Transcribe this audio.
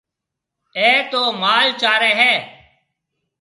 اَي تو مال چاري هيَ۔